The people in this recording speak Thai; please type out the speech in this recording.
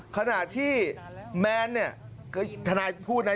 ขณะที่แมนเนี่ย